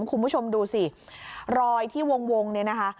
คุณผู้ชมดูสิรอยที่วงเนี่ยนะคะ